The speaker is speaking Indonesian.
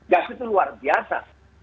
gas itu luar biasa